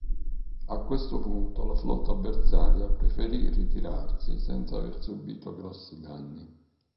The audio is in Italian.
A questo punto la flotta avversaria preferì ritirarsi senza aver subito grossi danni.